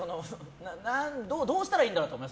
どうしたらいいんだろうって。